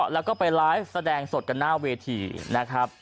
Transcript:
แล้วก็ไปไลฟ์แสดงสดกันหน้าเวทีนะครับ